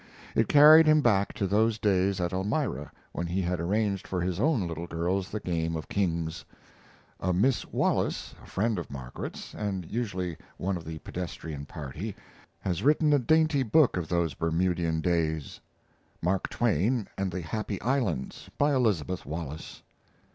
It carried him back to those days at Elmira when he had arranged for his own little girls the game of kings. A Miss Wallace, a friend of Margaret's, and usually one of the pedestrian party, has written a dainty book of those Bermudian days. [Mark Twain and the Happy Islands, by Elizabeth Wallace.